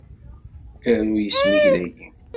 Aru isem-ik dagi.